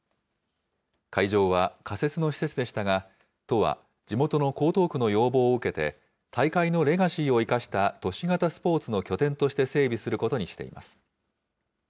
会場は仮設の施設でしたが、都は地元の江東区の要望を受けて、大会のレガシーを生かした都市型スポーツの拠点として整備することにしています。